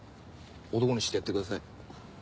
男にしてやってください。